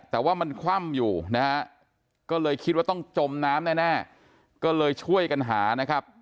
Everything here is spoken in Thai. แต่ว่ามันคว่ำอยู่นะฮะก็เลยคิดว่าต้องจมน้ำแน่ก็เลยช่วยกันหานะครับ